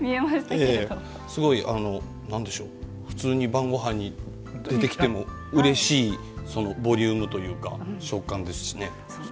すごい普通に晩ごはんに出てきてもうれしいボリュームというか食感ですしね。